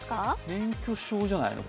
免許証じゃないの？